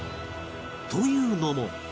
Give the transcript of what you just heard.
というのも